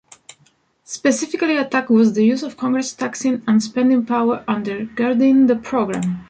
Specifically attacked was the use of Congress's Taxing and Spending power undergirding the program.